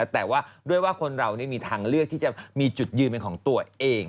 แต่ว่าด้วยว่าคนเรามีทางเลือกที่จะมีจุดยืนเป็นของตัวเอง